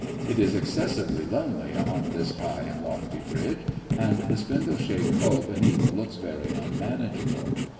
It is excessively lonely on this high and lofty bridge, and the spindle shaped hull beneath looks very unmanageable.